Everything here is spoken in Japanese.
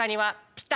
ピタ？